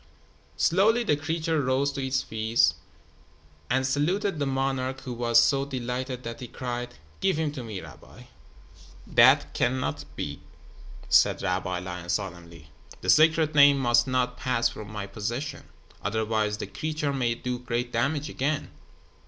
Slowly the creature rose to its feet and saluted the monarch who was so delighted that he cried: "Give him to me, rabbi." "That cannot be," said Rabbi Lion, solemnly. "The Sacred Name must not pass from my possession. Otherwise the creature may do great damage again.